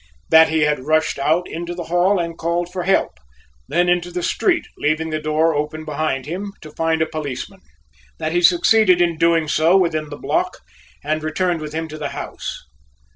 That he had rushed out into the hall and called for help, then into the street, leaving the door open behind him, to find a policeman. That he succeeded in doing so within the block, and returned with him to the house.